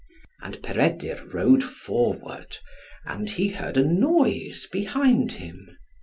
And Peredur rode forward, and he heard a noise behind him.